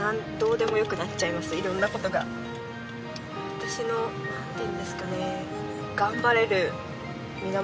私のなんていうんですかね。